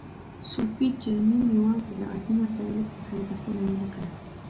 صوفي جرمین یوازې عادي مسایلو په حل بسنه و نه کړه.